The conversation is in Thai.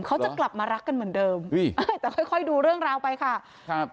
เขาจะกลับมารักกันเหมือนเดิมอุ้ยเอ้ยแต่ค่อยค่อยดูเรื่องราวไปค่ะครับ